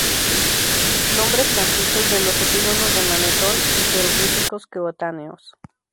Nombres transcritos de los epígonos de Manetón y jeroglíficos coetáneos.